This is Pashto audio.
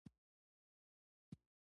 سړي فکر وکړ چې لور به باچا ته ورولم.